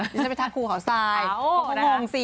พี่ฉันไปทักครูเขาซายก็มองสิ